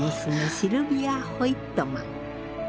シルヴィア・ホイットマン。